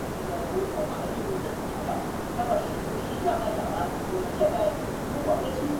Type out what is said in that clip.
圣若塞代邦克人口变化图示